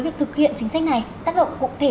việc thực hiện chính sách này tác động cụ thể